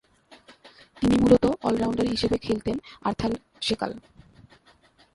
তিনি মূলতঃ অল-রাউন্ডার হিসেবে খেলতেন আর্থার সেকাল।